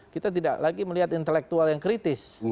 kita tidak lagi melihat intelektual yang kritis